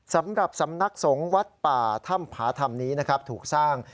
สำหรับสำนักสงฆ์วัดป่าถ้ำผาธรรมนี้นะครับถูกสร้าง